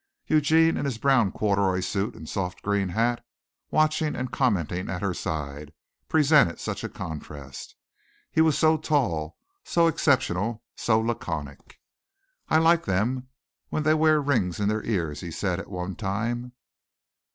Eugene in his brown corduroy suit and soft green hat, watching and commenting at her side, presented such a contrast. He was so tall, so exceptional, so laconic. "I like them when they wear rings in their ears," he said at one time.